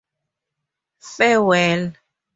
Farewell.